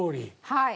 はい。